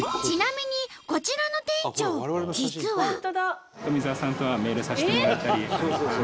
ちなみにこちらの店長実は。